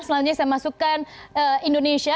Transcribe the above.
selanjutnya saya masukkan indonesia